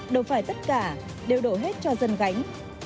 đầu phải tất cả đều đổ hết cho dân gánh